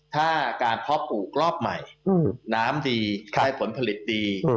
ถ้าการเพาะปลูกรอบใหม่น้ำดีได้ผลผลิตดี